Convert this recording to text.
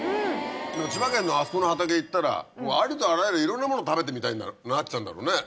千葉県のあそこの畑行ったらありとあらゆるいろんなもの食べてみたいってなっちゃうんだろうね。